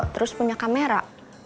terus punya kamera